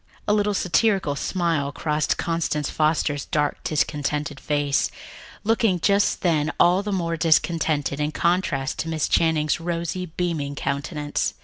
A little satirical smile crossed Constance Foster's dark, discontented face, looking just then all the more discontented in contrast to Miss Channing's rosy, beaming countenance.